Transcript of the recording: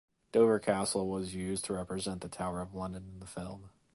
Dover Castle was used to represent the Tower of London in the film.